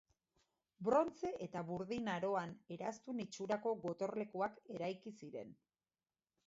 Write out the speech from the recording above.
Brontze eta Burdin Aroan eraztun itxurako gotorlekuak eraiki ziren.